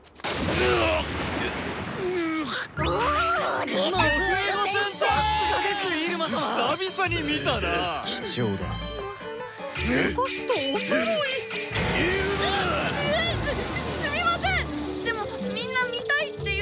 でもっみんな見たいって言うから！